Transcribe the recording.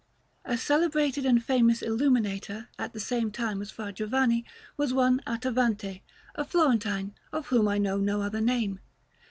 A celebrated and famous illuminator at the same time as Fra Giovanni was one Attavante, a Florentine, of whom I know no other name.